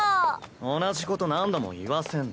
同じこと何度も言わせんな。